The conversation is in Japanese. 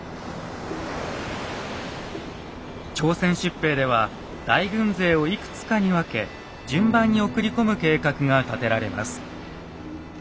朝鮮出兵では大軍勢をいくつかに分け順番に送り込む計画が立てられます。